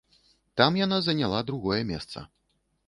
Там яна заняла другое месца.